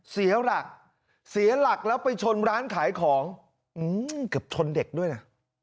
เสียหลักเสียหลักแล้วไปชนร้านขายของเกือบชนเด็กด้วยนะ